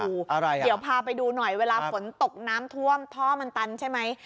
อะไรอ่ะเดี๋ยวพาไปดูหน่อยเวลาฝนตกน้ำท่วมท่อมันตันใช่ไหม